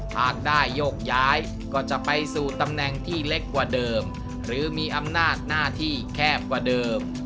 หากได้โยกย้ายก็จะไปสู่ตำแหน่งที่เล็กกว่าเดิมหรือมีอำนาจหน้าที่แคบกว่าเดิม